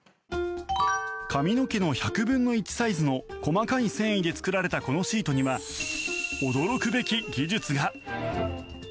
髪の毛の１００分の１サイズの細かい繊維で作られたこのシートには驚くべき技術が。